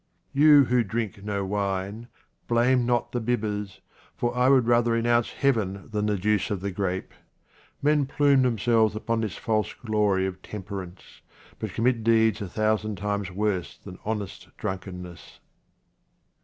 You who drink no wine, blame not the bibbers, for I would rather renounce heaven than the juice of the grape. Men plume themselves upon this false glory of temperance, but commit 27 QUATRAINS OF OMAR KHAYYAM deeds a thousand times worse than honest drunkenness.